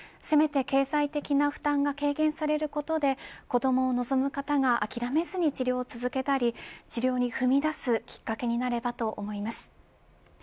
せめて経済的な負担が軽減されることで子どもを望む方が諦めずに治療を続けたり治療に踏み出すきっかけになればと思います。